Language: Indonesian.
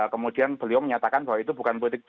kemudian beliau menyatakan bahwa itu bukan politik